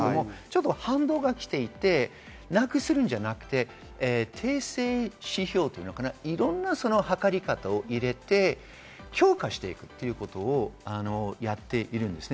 反動がきていて、楽するんじゃなくて、訂正指標というのかな、いろんな計り方を入れて、評価していくということをやっているんです。